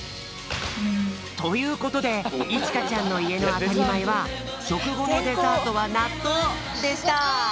ということでいちかちゃんのいえのあたりまえはしょくごのデザートはなっとうでした！